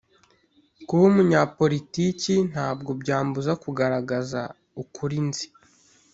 kuba umunyapolitiki ntabwo byambuza kugaragaza ukuri nzi